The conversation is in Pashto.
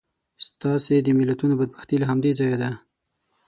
ستاسې د ملتونو بدبختي له همدې ځایه ده.